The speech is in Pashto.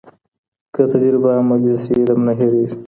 که تجربه عملي سي، علم نه هېرېږي.